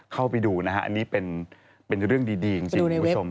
เข้าไปดูนะฮะอันนี้เป็นเรื่องดีจริงคุณผู้ชม